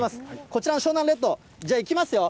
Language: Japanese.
こちらの湘南レッド、じゃあ、いきますよ。